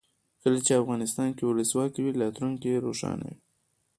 کله چې افغانستان کې ولسواکي وي راتلونکی روښانه وي.